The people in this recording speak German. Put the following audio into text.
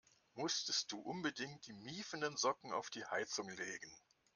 Musstest du unbedingt die miefenden Socken auf die Heizung legen?